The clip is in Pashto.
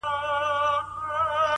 څه مي ارام پرېږده ته;